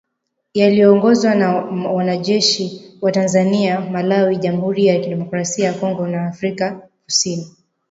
yaliyoongozwa na wanajeshi wa Tanzania, Malawi, jamuhuri ya kidemokrasia ya Kongo na Afrika kusini